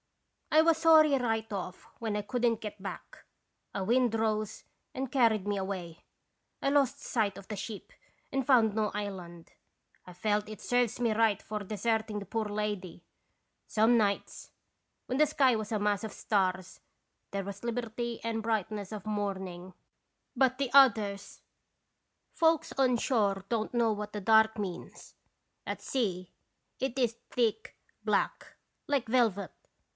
I was sorry right off when I could n't get back. A wind rose and carried me away. I lost sight of the ship and found no island. 1 felt it serves me right for desert ing the poor lady. Some nights, when the sky was a mass of stars, there was liberty and brightness of morning, but the others I 1 76 21 radons l)isitalion. Folks on shore don't know what the dark means; at sea it is thick black, like velvet.